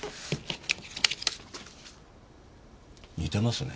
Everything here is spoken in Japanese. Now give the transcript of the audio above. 似てますね。